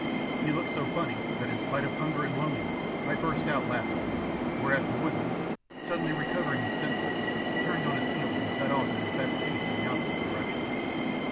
He looked so funny that in spite of hunger and loneliness I burst out laughing, whereat the woodman, suddenly recovering his senses, turned on his heels and set off at his best pace in the opposite direction.